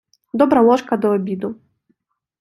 Добра ложка до обіду.